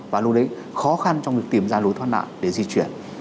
và lúc đấy khó khăn trong việc tìm ra lối thoát nạn để di chuyển